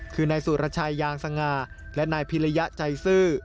คือนายสุรชัยยางสง่าและนายพิริยะใจซื่อ